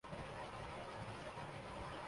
اپنی پہچان کرنے کے بعد ہی آپ کو خالق کی پہچان ہوگی۔